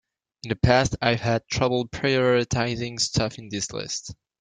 In the past I've had trouble prioritizing stuff in this list.